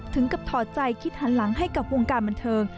ถึงกับถอดใจคิดหันหลังให้กับวงการบันเทิง